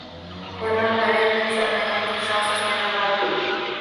В одно мгновение темное небо смешалось со снежным морем.